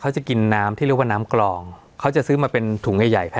จะกินน้ำที่เรียกว่าน้ำกรองเขาจะซื้อมาเป็นถุงใหญ่ใหญ่